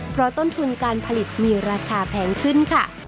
เพราะต้นทุนการผลิตมีราคาแพงขึ้นค่ะ